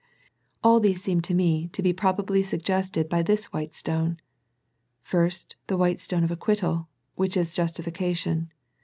All these seem to me to be probably sug gested by this white stone. First, the white stone of acquittal , whirh is justification.